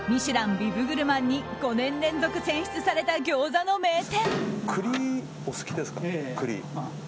ビブグルマンに５年連続、選出された餃子の名店。